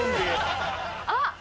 あっ！